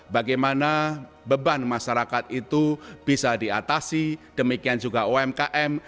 bagaimana beban masyarakat itu bisa diatasi demikian juga umkm